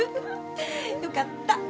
よかった。